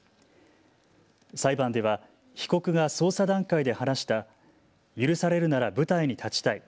裁判では被告が捜査段階で話した許されるなら舞台に立ちたい。